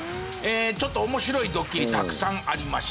ちょっと面白いドッキリたくさんありました。